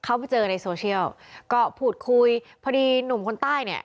เขาไปเจอในโซเชียลก็พูดคุยพอดีหนุ่มคนใต้เนี่ย